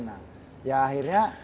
nah ya akhirnya